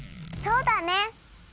そうだね！